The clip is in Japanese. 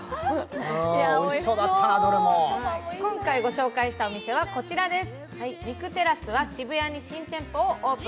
今回ご紹介したお店はこちらです。